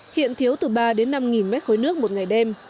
hiện thiếu từ ba năm nghìn mét khối nước một ngày đêm